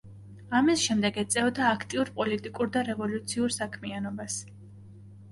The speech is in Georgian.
ამის შემდეგ ეწეოდა აქტიურ პოლიტიკურ და რევოლუციურ საქმიანობას.